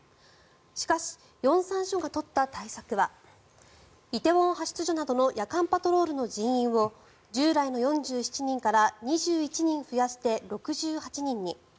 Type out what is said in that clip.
しかし、龍山署が取った対策は梨泰院派出所などの夜間パトロールの人員を従来の４７人から２１人増やして６８人に。